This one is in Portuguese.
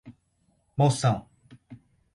Monção